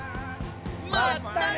まったね。